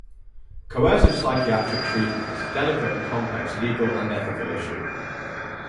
Coercive psychiatric treatment is a delicate and complex legal and ethical issue.